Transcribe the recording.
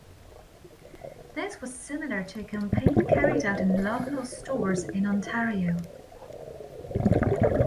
This was similar to a campaign carried out in Loblaws stores in Ontario.